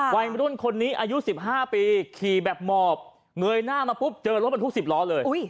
วัยรุ่นคนนี้อายุสิบห้าปีขี่แบบหมอบเหนื่อยหน้ามาปุ๊บเจอรถมันทุกสิบล้อเลย